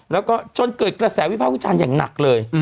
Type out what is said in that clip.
แล้วก็จนเกิดกระแสวิภาควิจารณ์อย่างหนักเลย